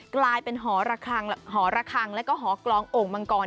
กลายเป็นหอระคางหอระคางและหอกลองโอ้งมังกร